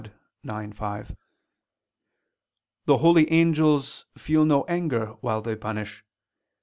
Dei ix, 5): "The holy angels feel no anger while they punish